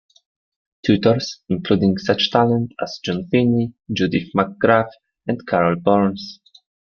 Tutors including such talent as June Finney, Judith McGrath and Carol Burns.